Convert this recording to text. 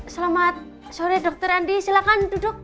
selamat sore dokter andi silahkan duduk